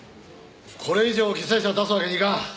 これ以上犠牲者を出すわけにはいかん。